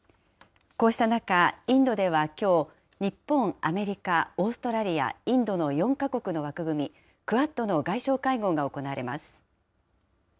こうした中、インドではきょう、日本、アメリカ、オーストラリア、インドの４か国の枠組み・クアッドの外相会合が行われます。